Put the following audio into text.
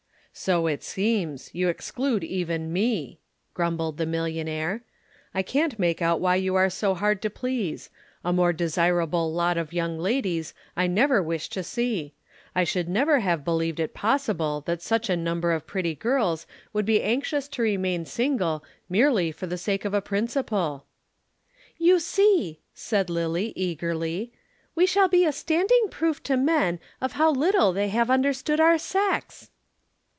"So it seems. You exclude even me," grumbled the millionaire. "I can't make out why you are so hard to please. A more desirable lot of young ladies I never wish to see. I should never have believed it possible that such a number of pretty girls would be anxious to remain single merely for the sake of a principle." "You see!" said Lillie eagerly, "we shall be a standing proof to men of how little they have understood our sex."